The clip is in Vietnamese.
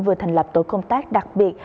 vừa thành lập tổ công tác đặc biệt